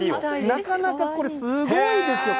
なかなかこれ、すごいですよ。